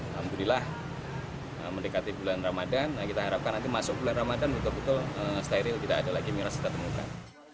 alhamdulillah mendekati bulan ramadan kita harapkan nanti masuk bulan ramadan betul betul steril tidak ada lagi miras kita temukan